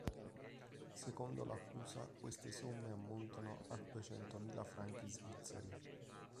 Secondo l'accusa queste somme ammontano a duecentomila franchi svizzeri.